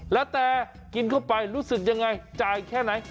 แล้วแต่กินเข้าไปรู้สึกยังไงจ่ายแค่ไหน